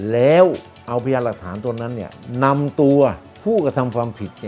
แล้วเอาพยานหลักฐานตัวนั้นนำตัวผู้กระทำความผิด